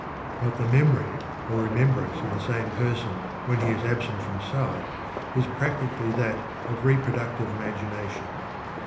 But the memory or remembrance of the same person when he is absent from sight is practically that of reproductive imagination.